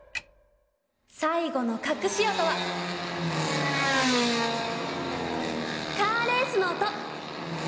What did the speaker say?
さいごのかくし音はカーレースの音。